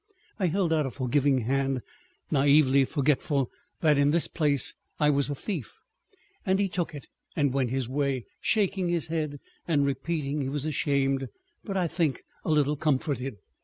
I held out a forgiving hand, naively forgetful that in this place I was a thief, and he took it and went his way, shaking his head and repeating he was ashamed, but I think a little comforted.